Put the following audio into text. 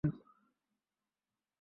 বুবুর ব্যাপারে ওকে বলছিলাম।